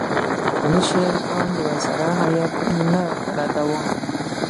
امیر شېر علي د وایسرا هیات نه رداوه.